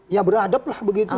ya beradab lah begitu